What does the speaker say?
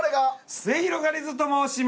すゑひろがりずと申します。